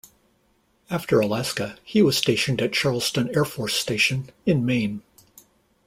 After Alaska, he was stationed at Charleston Air Force Station in Maine.